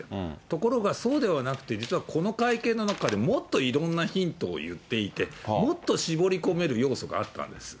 ところが、そうではなくて実は、この会見の中で、もっといろんなヒントを言っていて、もっと絞り込める要素があったんです。